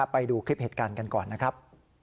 ไปดูคลิปเหตุการณ์กันก่อนนะครับ